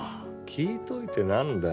聞いといてなんだよ。